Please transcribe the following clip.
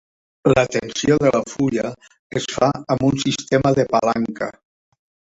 La tensió de la fulla es fa amb un sistema de palanca.